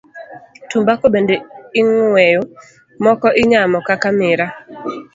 Tumbako bende ing'weyo, moko inyamo kaka miraa.